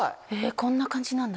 こんな感じなんだ。